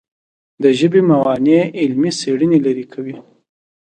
د ژبې موانع علمي څېړنې لیرې کوي.